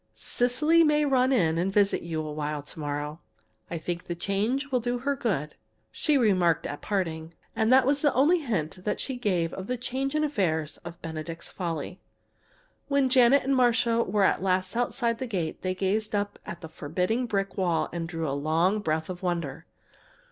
"Cecily may run in and visit you a while to morrow. I think the change will do her good," she remarked at parting. And that was the only hint she gave of a change in the affairs of "Benedict's Folly." When Janet and Marcia were at last outside the gate they gazed up at the forbidding brick wall and drew a long breath of wonder.